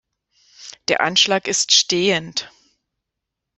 Der Anschlag ist stehend.